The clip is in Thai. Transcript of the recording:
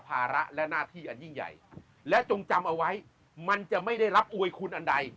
ภาระและหน้าที่อันยิ่งใหญ่และจงจำเอาไว้มันจะไม่ได้รับอวยคุณอันใด